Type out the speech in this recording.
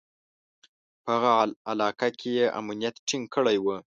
په هغه علاقه کې یې امنیت ټینګ کړی و.